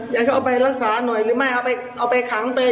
อยากให้ละสาหน่อยหรือเอาไปขังไป